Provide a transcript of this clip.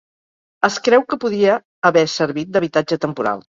Es creu que podia haver servit d'habitatge temporal.